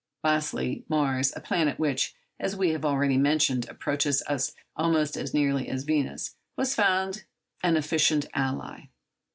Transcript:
Lastly, Mars, a planet which, as we have already mentioned, approaches us almost as nearly as Venus, was found an efficient ally.